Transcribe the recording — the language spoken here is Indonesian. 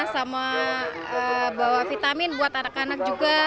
sama bawa vitamin buat anak anak juga